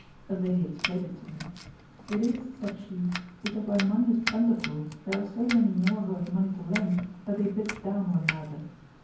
A lady explained it to me. "It is (said she) because when money is plentiful there are so many more who have money to lend, that they bid down one another.